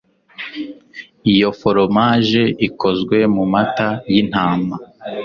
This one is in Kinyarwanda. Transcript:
Iyo foromaje ikozwe mumata yintama